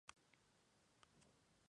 Habita en Eritrea.